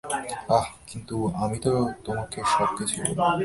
আহ, কিন্তু আমি তো তোমাকে সব কিছুই বললাম।